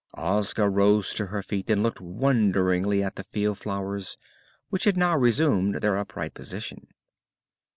Ozga rose to her feet and looked wonderingly at the field flowers, which had now resumed their upright position.